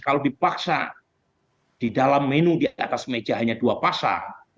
kalau dipaksa di dalam menu di atas meja hanya dua pasang